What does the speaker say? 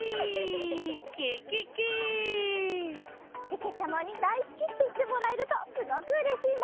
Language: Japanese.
けけちゃまにだいすきっていってもらえるとすごくうれしいな。